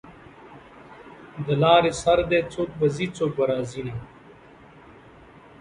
د لارې سر دی څوک به ځي څوک به راځینه